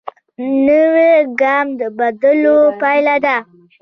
نوی ګام د بدلون پیل دی